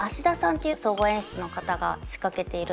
ていう総合演出の方が仕掛けているんですけど。